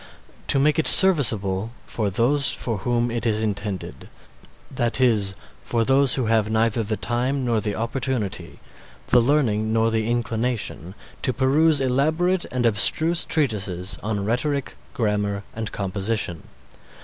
To make it serviceable for those for whom it is intended, that is, for those who have neither the time nor the opportunity, the learning nor the inclination, to peruse elaborate and abstruse treatises on Rhetoric, Grammar, and Composition.